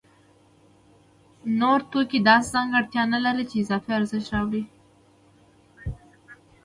نور توکي داسې ځانګړتیا نلري چې اضافي ارزښت راوړي